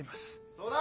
そうだ！